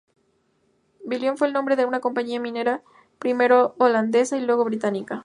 Billiton fue el nombre de una compañía minera primero Holandesa y luego Británica.